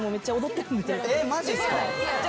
えっマジっすか？